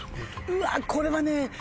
うわっこれはね